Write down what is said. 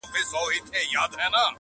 بې پروا یم له رویباره- بې خبره له نګاره-